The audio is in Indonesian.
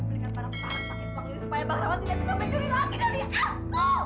pakai uang ini supaya bang rawat tidak bisa mencuri lagi dari aku